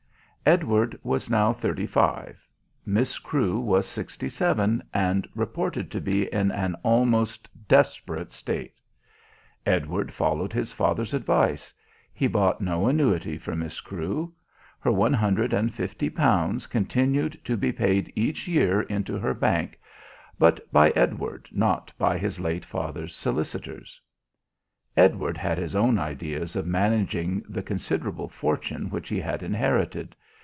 Edward was now thirty five. Miss Crewe was sixty seven and reported to be in an almost desperate state. Edward followed his father's advice. He bought no annuity for Miss Crewe. Her one hundred and fifty pounds continued to be paid each year into her bank; but by Edward, not by his late father's solicitors. Edward had his own ideas of managing the considerable fortune which he had inherited.